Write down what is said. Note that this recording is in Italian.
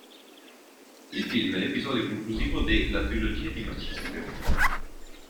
Il film è l'episodio conclusivo de "La trilogia di Maciste".